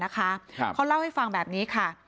เขาเล่าให้ฟังแบบนี้ค่ะ